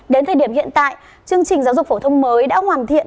đến thời điểm hiện tại chương trình giáo dục phổ thông mới đã hoàn thiện